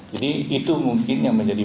jadi itu mungkin yang menjadi